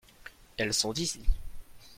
elles sont ici.